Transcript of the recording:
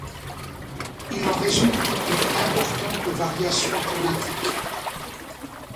Il en résulte une importante variation climatique.